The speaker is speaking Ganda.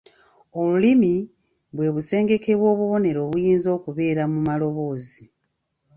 Olulimi bwe busengeke bw’obubonero obuyinza okubeera mu maloboozi.